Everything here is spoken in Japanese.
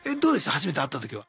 初めて会った時は。